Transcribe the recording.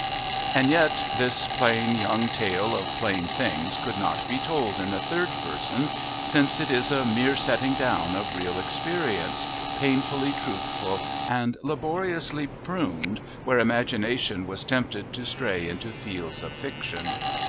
And yet this plain young tale of plain things could not be told in the third person, since it is a mere setting down of real experience, painfully truthful and laboriously pruned where imagination was tempted to stray into fields of fiction.